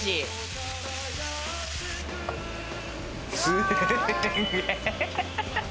すげえ！